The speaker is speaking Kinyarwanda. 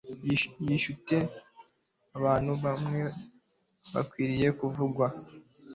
Yishuye ati Abantu bamwebamwe bakwiriye kuvugwa